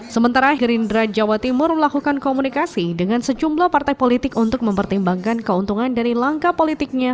sementara gerindra jawa timur melakukan komunikasi dengan sejumlah partai politik untuk mempertimbangkan keuntungan dari langkah politiknya